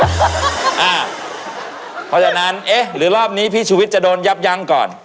เพราะฉะนั้นเอ๊ะหรือรอบนี้พี่ชุวิตจะโดนยับยั้งก่อน